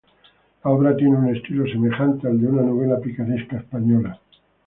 La obra tiene un estilo semejante al de una novela picaresca española.